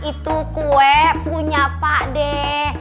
itu kue punya pak dede